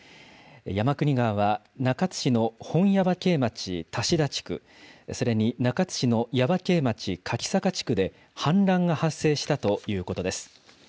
山国川は中津市の本耶馬渓町の多志田地区、それに中津市の耶馬溪町柿坂地区で、氾濫が発生したということです。